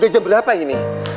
udah jam berapa ini